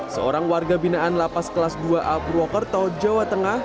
seorang warga binaan lapas kelas dua a purwokerto jawa tengah